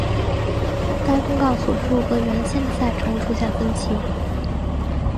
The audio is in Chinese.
该公告所述和原先的赛程出现分歧。